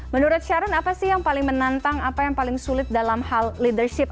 menurut sharon apa sih yang paling menantang apa yang paling sulit dalam hal leadership